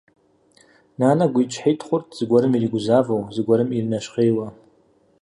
Нанэ гуитӀщхьитӀ хъурт, зыгуэрым иригузавэу, зыгуэрым иринэщхъейуэ.